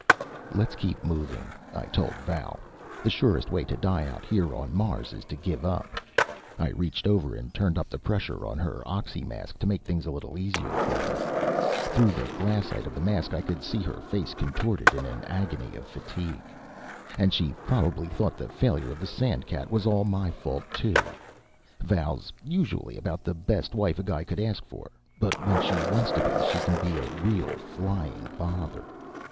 _ "Let's keep moving," I told Val. "The surest way to die out here on Mars is to give up." I reached over and turned up the pressure on her oxymask to make things a little easier for her. Through the glassite of the mask, I could see her face contorted in an agony of fatigue. And she probably thought the failure of the sandcat was all my fault, too. Val's usually about the best wife a guy could ask for, but when she wants to be she can be a real flying bother.